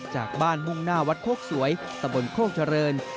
จากบ้านมุ่งหน้าวัดโคกสวยตะบนโคกเจริญ